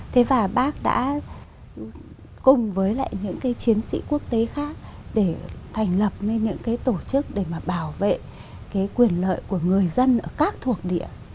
thế và bác đã cùng với lại những chiến sĩ quốc tế khác để thành lập những tổ chức để bảo vệ quyền lợi của người dân ở các thuộc địa